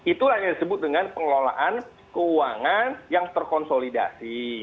itulah yang disebut dengan pengelolaan keuangan yang terkonsolidasi